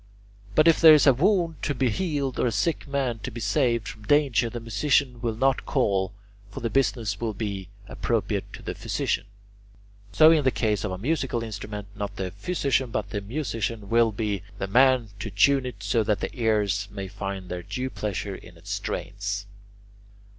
But if there is a wound to be healed or a sick man to be saved from danger, the musician will not call, for the business will be appropriate to the physician. So in the case of a musical instrument, not the physician but the musician will be the man to tune it so that the ears may find their due pleasure in its strains.